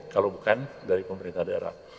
kalau bukan dari pemerintah daerah